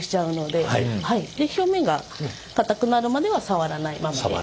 で表面がかたくなるまでは触らないままで。